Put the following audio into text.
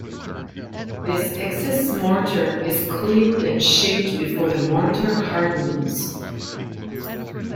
This excess mortar is cleared and shaped before the mortar hardens.